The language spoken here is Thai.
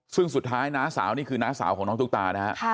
ซึ่งสุดท้ายน้าสาวนี่คือน้าสาวของน้องตุ๊กตานะฮะ